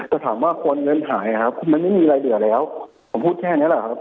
แต่ถามว่าคนเงินหายครับคือมันไม่มีอะไรเหลือแล้วผมพูดแค่นี้แหละครับ